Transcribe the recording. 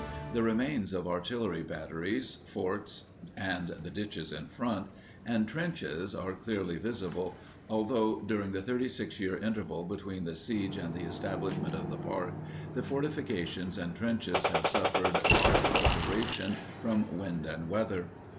The remains of artillery batteries, forts (and the ditches in front), and trenches are clearly visible, although, during the 36 year interval between the siege and the establishment of the park, the fortifications and trenches have suffered marked alteration from wind and weather.